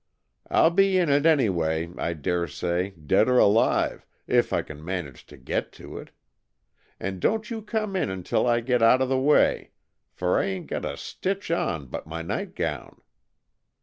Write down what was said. I'll be in it anyway, I dare say, dead or alive, if I can manage to get to it. And don't you come in until I get out of the way, for I ain't got a stitch on but my night gown."